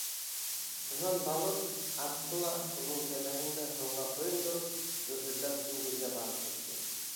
Унан балыҡ, ҡартты ла, уның кәмәһен дә һыуға ҡойондороп, гөрһөлдәп диңгеҙгә барып төштө.